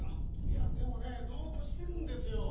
いやでもねえ度を越してるんですよ。